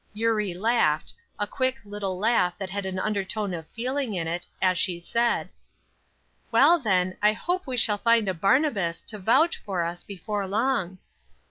Eurie laughed, a quick little laugh that had an undertone of feeling in it, as she said: "Well, then, I hope we shall find a Barnabas to vouch for us before long."